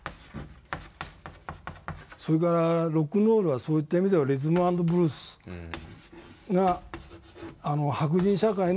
それからロックンロールはそういった意味ではリズムアンドブルースが白人社会の文化生活